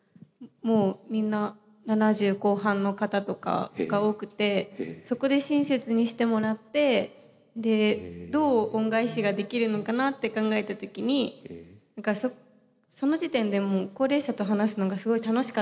もうみんな７０後半の方とかが多くてそこで親切にしてもらってでどう恩返しができるのかなって考えた時にその時点でもう高齢者と話すのがすごい楽しかったんですよ。